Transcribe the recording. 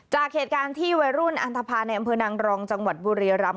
จากเหตุการณ์วัยรุ่นอารรมณ์ทะพาในอำเภอน้ำรองบุรีรรำ